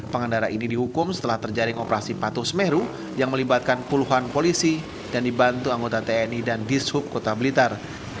pengendara ini dihukum setelah terjaring operasi patuh semeru yang melibatkan puluhan polisi dan dibantu anggota tni dan dishub kota blitar